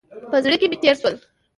په زړه کې مې تېر شول.